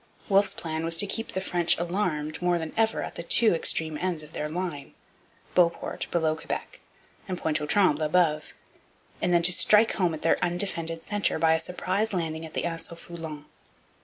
Wolfe's plan was to keep the French alarmed more than ever at the two extreme ends of their line Beauport below Quebec and Pointe aux Trembles above and then to strike home at their undefended centre, by a surprise landing at the Anse au Foulon.